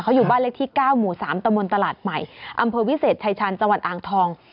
เขาอยู่บ้านเลขที่๙หมู่๓ตมตลาดใหม่อำเภอวิเศษชายชาญจังหวัดอ่างทอง